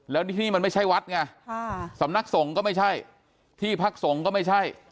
แล้วที่นี่มันไม่ใช่วัดไงสำนักสงฆ์ก็ไม่ใช่ที่พักสงฆ์ก็ไม่ใช่